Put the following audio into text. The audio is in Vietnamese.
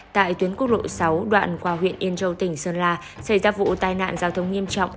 tại tuyến quốc lộ sáu đoạn qua huyện yên châu tỉnh sơn la xảy ra vụ tai nạn giao thông nghiêm trọng